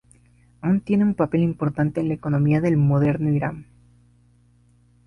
Aún tiene un papel importante en la economía del moderno Irán.